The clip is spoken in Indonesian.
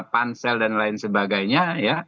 pansel dan lain sebagainya ya